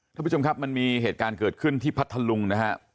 ท่านผู้ชมครับมันมีเหตุการณ์เกิดขึ้นที่พัทธลุงนะฮะ